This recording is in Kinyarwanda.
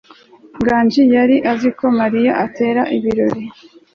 nganji yari azi ko mariya atera ibirori